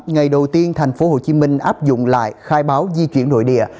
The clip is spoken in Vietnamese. ngày đầu tiên thành phố hồ chí minh áp dụng lại khai báo di chuyển nội địa